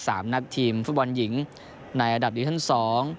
สามนัดทีมฝุ่นหญิงในอันดับดิวิชั่น๒